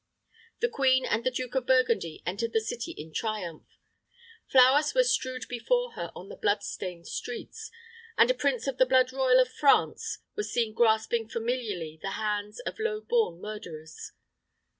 The queen and the Duke of Burgundy entered the city in triumph; flowers were strewed before her on the blood stained streets; and a prince of the blood royal of France was seen grasping familiarly the hands of low born murderers.